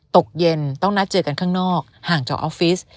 ตกเย็นต้องนัดเจอกันข้างนอกห่างจากออฟฟิศ